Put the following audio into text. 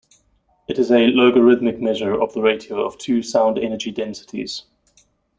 It is a logarithmic measure of the ratio of two sound energy densities.